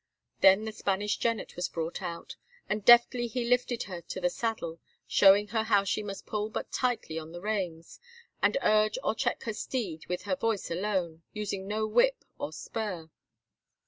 Then the Spanish jennet was brought out, and deftly he lifted her to the saddle, showing her how she must pull but lightly on the reins, and urge or check her steed with her voice alone, using no whip or spur.